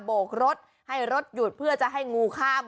โกกรถให้รถหยุดเพื่อจะให้งูข้าม